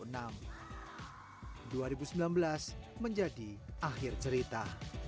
periode seribu sembilan ratus sembilan puluh an menjadi akhir cerita